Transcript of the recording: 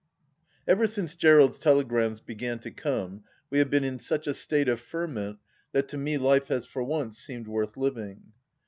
Ever since Gerald's telegrams began to come we have been in such a state of ferment that to me life has for once seemed worth living.